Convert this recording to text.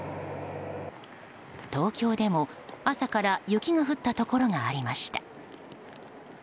東京でも朝から雪が降ったところがありました。